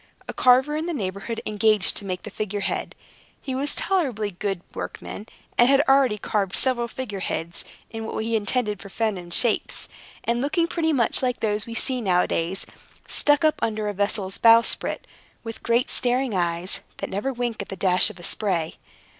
A carver in the neighborhood engaged to make the figurehead. He was a tolerably good workman, and had already carved several figure heads, in what he intended for feminine shapes, and looking pretty much like those which we see nowadays stuck up under a vessel's bowsprit, with great staring eyes, that never wink at the dash of the spray.